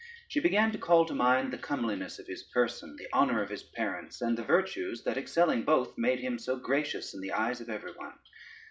She began to call to mind the comeliness of his person, the honor of his parents, and the virtues that, excelling both, made him so gracious in the eyes of every one.